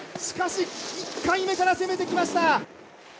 しかし、１回目から攻めてきました。